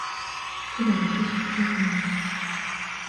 Qui la ressuscitera jamais ?